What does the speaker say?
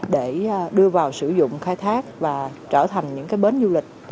để đưa vào sử dụng khai thác và trở thành những bến du lịch